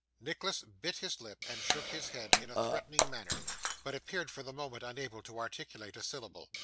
Nicholas bit his lip and shook his head in a threatening manner, but appeared for the moment unable to articulate a syllable.